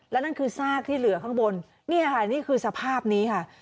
และนั่นคือซากที่เหลือข้างบนนี่ค่ะนี่คือสภาพนี้ค่ะ